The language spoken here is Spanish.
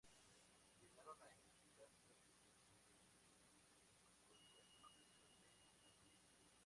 Llegaron a edificarse doscientas viviendas con este fin justo detrás del centro de salud.